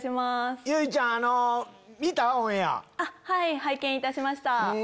はい拝見いたしました。